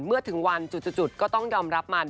เมื่อถึงวันจุดก็ต้องยอมรับมัน